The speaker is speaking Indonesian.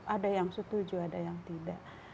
ada yang setuju ada yang tidak